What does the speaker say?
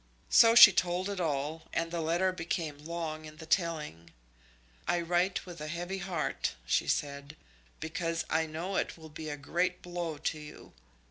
So she told it all, and the letter became long in the telling. "I write with a heavy heart," she said, "because I know it will be a great blow to you.